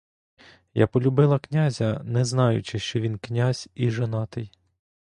Я полюбила князя, не знаючи, що він князь і жонатий.